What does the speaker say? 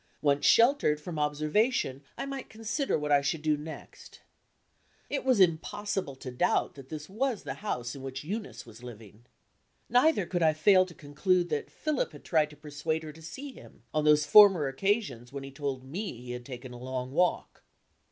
Once sheltered from observation, I might consider what I should do next. It was impossible to doubt that this was the house in which Eunice was living. Neither could I fail to conclude that Philip had tried to persuade her to see him, on those former occasions when he told me he had taken a long walk.